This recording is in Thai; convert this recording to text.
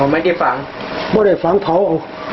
อ๋อไม่ได้ฝังไม่ได้ฝังเผาเอาอ๋อ